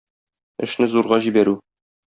Эшне зурга җибәрү.